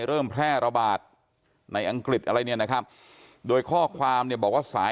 เริ่มแพร่ระบาดในเนี้ยนะครับโดยข้อความเนี่ยบอกว่าสาย